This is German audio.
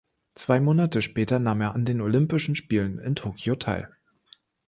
Zwei Monate später nahm er an den Olympischen Spielen in Tokio teil.